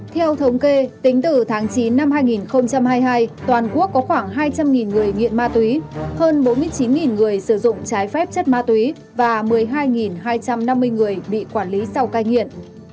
theo thống kê tính từ tháng chín năm hai nghìn hai mươi hai toàn quốc có khoảng hai trăm linh người nghiện ma túy hơn bốn mươi chín người sử dụng trái phép chất ma túy và một mươi hai hai trăm năm mươi người bị quản lý sau cai nghiện